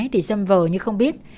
thì sâm vờ như không biết